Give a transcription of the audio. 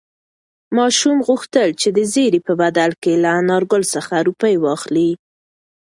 ماشوم غوښتل چې د زېري په بدل کې له انارګل څخه روپۍ واخلي.